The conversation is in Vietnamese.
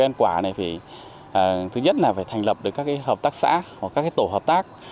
cây ăn quả này thì thứ nhất là phải thành lập được các cái hợp tác xã hoặc các cái tổ hợp tác